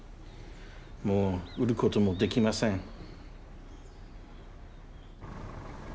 もう売ることもできません。